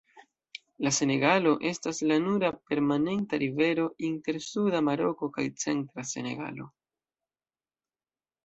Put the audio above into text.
La Senegalo estas la nura permanenta rivero inter suda Maroko kaj centra Senegalo.